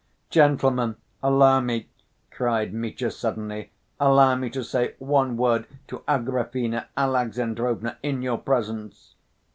"Gentlemen, allow me," cried Mitya suddenly, "allow me to say one word to Agrafena Alexandrovna, in your presence."